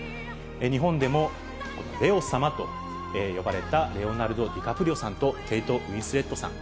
日本でもレオ様と呼ばれたレオナルド・ディカプリオさんと、ケイト・ウィンスレットさん。